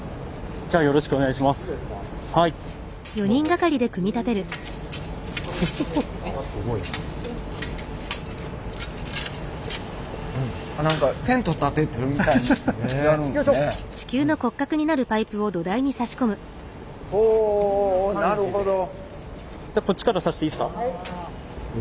じゃあこっちから差していいっすか。